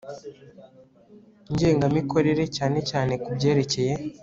ngengamikorere cyane cyane ku byerekeye